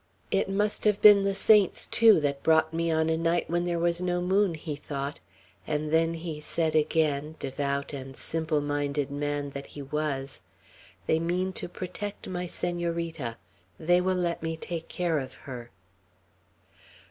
"It must have been the saints, too, that brought me on a night when there was no moon," he thought; and then he said again, devout and simple minded man that he was. "They mean to protect my Senorita; they will let me take care of her."